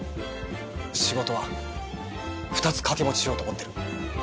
仕事は２つ掛け持ちしようと思ってる。